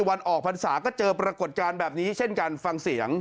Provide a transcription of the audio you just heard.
วันออกพรรษาก็เจอปรากฏการณ์แบบนี้เช่นกันฟังเสียง